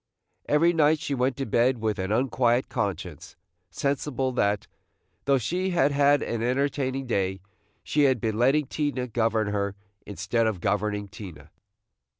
Every night she went to bed with an unquiet conscience, sensible that, though she had had an entertaining day, she had been letting Tina govern her, instead of governing Tina.